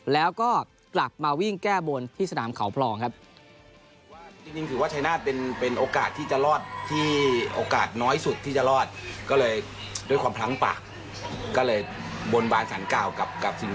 แล้วก็กลับมาวิ่งแก้บนที่สนามเขาพลองครับ